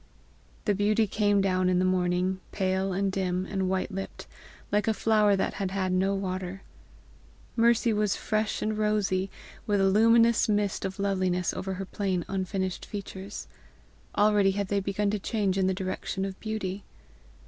The beauty came down in the morning pale and dim and white lipped, like a flower that had had no water. Mercy was fresh and rosy, with a luminous mist of loveliness over her plain unfinished features. Already had they begun to change in the direction of beauty.